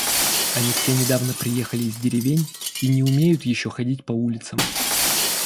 Они все недавно приехали из деревень и не умеют еще ходить по улицам.